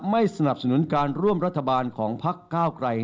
ประโยชน์ของพักก้าวไกล